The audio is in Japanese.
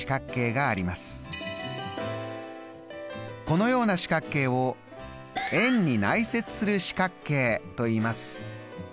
このような四角形を円に内接する四角形といいます。